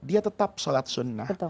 dia tetap sholat sunnah